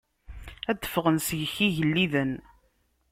Ad d-ffɣen seg-k igelliden.